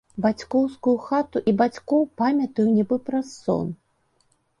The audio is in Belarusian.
Бацькоўскую хату і бацькоў памятаю нібы праз сон.